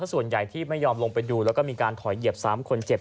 ส่วนใหญ่ที่ไม่ยอมลงไปดูแล้วก็มีการถอยเหยียบซ้ำคนเจ็บ